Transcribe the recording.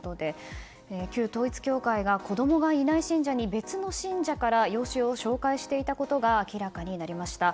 旧統一教会が子供がいない信者に別の信者から養子を紹介していたことが明らかになりました。